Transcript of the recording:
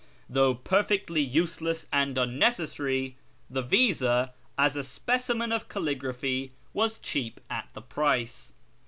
Though perfectly useless and unnecessary, the visa, as a specimen of calligraphy, was cheap at the price.